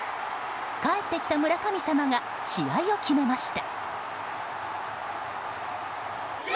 帰ってきた村神様が試合を決めました。